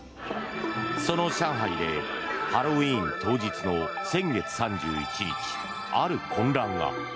その上海でハロウィーン当日の先月３１日ある混乱が。